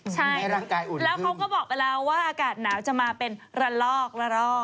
ใช่แล้วเขาก็บอกไปแล้วว่าอากาศหนาวจะมาเป็นระลอกระรอก